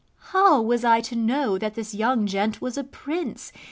How was I to know that this young gent was a prince?